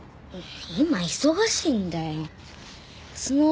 今忙しいんだよスノー